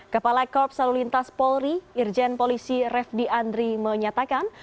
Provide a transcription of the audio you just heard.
kepala korps salulintas polri irjen polisi refdi andri menyatakan